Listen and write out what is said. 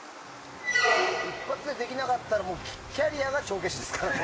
一発でできなかったらキャリアが帳消しですからね。